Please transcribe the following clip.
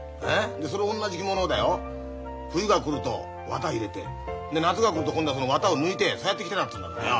でその同じ着物をだよ冬が来ると綿入れて夏が来ると今度はその綿を抜いてそうやって着てたっつうんだからよ。